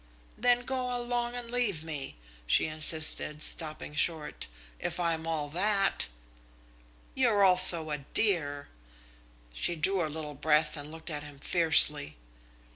"Then go along and leave me," she insisted, stopping short, "if I'm all that." "You're also a dear!" She drew a little breath and looked at him fiercely.